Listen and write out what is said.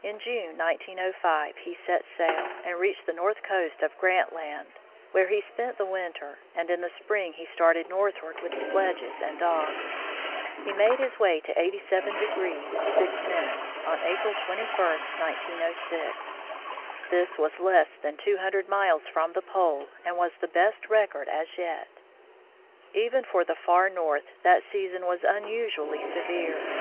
In June, 1905, he set sail, and reached the north coast of Grant Land, where he spent the winter, and in the spring he started northward with sledges and dogs. He made his way to 8y° 6' on April 21, 1906. This was less than two hundred miles from the Pole, and was the best record as yet. Even for the far North that season was unusually severe.